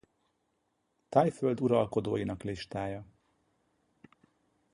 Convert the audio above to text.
Thaiföld uralkodóinak listája